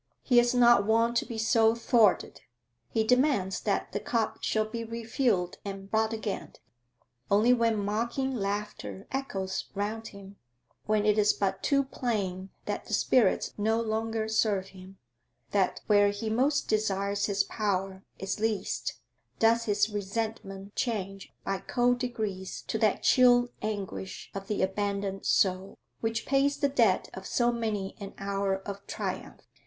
He is not wont to be so thwarted; he demands that the cup shall be refilled and brought again; only when mocking laughter echoes round him, when it is but too plain that the spirits no longer serve him, that where he most desires his power is least, does his resentment change by cold degrees to that chill anguish of the abandoned soul, which pays the debt of so many an hour of triumph.